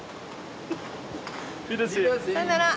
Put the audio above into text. さよなら。